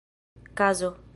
kazo